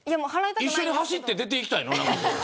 一緒に走って出ていきたいの。